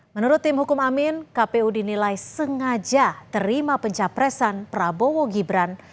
menurut tim hukum amin kpu dinilai sengaja terima pencapresan prabowo gibran